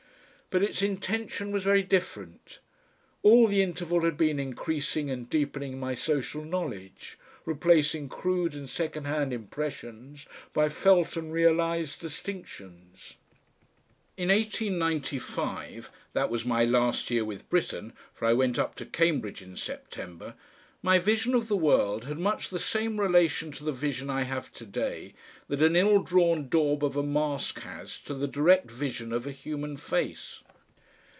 But its intension was very different. All the interval has been increasing and deepening my social knowledge, replacing crude and second hand impressions by felt and realised distinctions. In 1895 that was my last year with Britten, for I went up to Cambridge in September my vision of the world had much the same relation to the vision I have to day that an ill drawn daub of a mask has to the direct vision of a human face.